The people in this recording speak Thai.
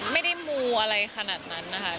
ไม่ได้มูอะไรขนาดนั้นนะคะ